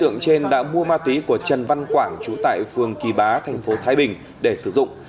nên đã mua ma túy của trần văn quảng chú tại phường kỳ bá thành phố thái bình để sử dụng